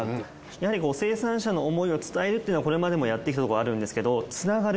やはり生産者の思いを伝えるっていうのはこれまでもやってきたところはあるんですけどつながる。